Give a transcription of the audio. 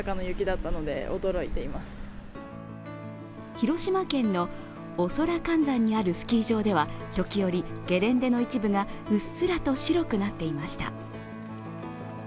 広島県の恐羅漢山にあるスキー場では、時折、ゲレンデの一部がうっすらと白くなっていました。